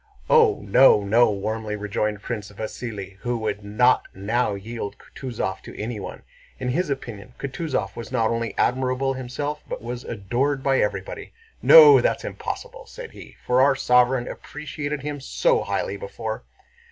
"Oh, no, no!" warmly rejoined Prince Vasíli, who would not now yield Kutúzov to anyone; in his opinion Kutúzov was not only admirable himself, but was adored by everybody. "No, that's impossible," said he, "for our sovereign appreciated him so highly before."